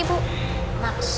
kalau mama gak akan mencari